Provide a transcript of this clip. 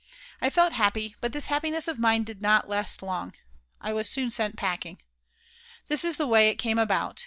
I felt happy, but this happiness of mine did not last long. I was soon sent packing. This is the way it came about.